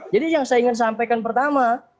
jadi yang saya ingin sampaikan pertama